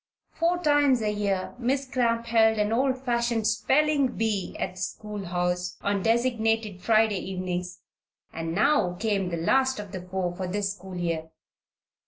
Four times a year Miss Cramp held an old fashioned "spelling bee" at the schoolhouse, on designated Friday evenings; and now came the last of the four for this school year.